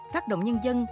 phát động nhân dân